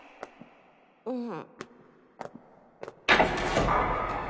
うん。